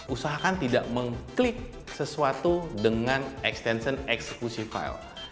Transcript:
usahakan tidak mengklik sesuatu dengan extension execution file